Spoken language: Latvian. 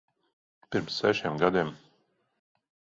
Pirms sešiem gadiem.